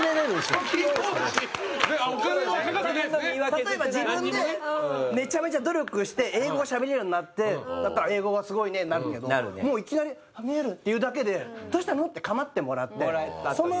例えば自分でめちゃめちゃ努力して英語がしゃべれるようになってだったら「英語がすごいね」になるけどもういきなり「見える」って言うだけで「どうしたの？」ってかまってもらってその。